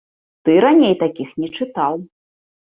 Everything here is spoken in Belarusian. Ты раней такіх не чытаў.